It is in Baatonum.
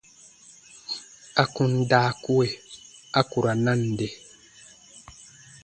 À kun daa kue, a ku ra nande.